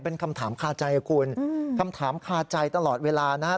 เป็นคำถามคาใจคุณคำถามคาใจตลอดเวลานะฮะ